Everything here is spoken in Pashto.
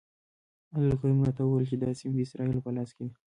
عبدالکریم راته وویل چې دا سیمې د اسرائیلو په لاس کې دي.